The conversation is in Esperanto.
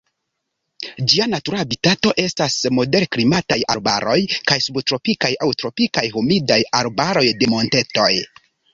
Ĝia natura habitato estas moderklimataj arbaroj kaj subtropikaj aŭ tropikaj humidaj arbaroj de montetoj.